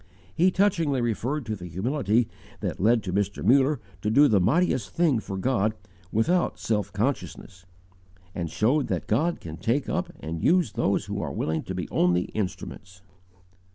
"_ He touchingly referred to the humility that led Mr. Muller to do the mightiest thing for God without self consciousness, and showed that God can take up and use those who are willing to be only instruments.